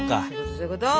そういうこと！